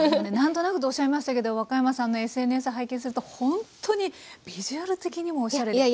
なんとなくとおっしゃいましたけど若山さんのＳＮＳ拝見するとほんとにビジュアル的にもおしゃれ。